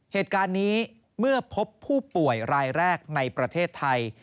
เหตุการณ์นี้เมื่อพบผู้ป่วยรายแรกในประเทศไทย